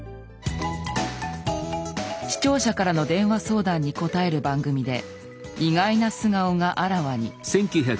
視聴者からの電話相談に答える番組で意外な素顔があらわに。